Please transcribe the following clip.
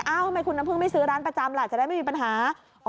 ทำไมคุณน้ำพึ่งไม่ซื้อร้านประจำล่ะจะได้ไม่มีปัญหา